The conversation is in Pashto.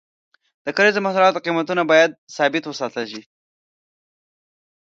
د کرنیزو محصولاتو قیمتونه باید ثابت وساتل شي.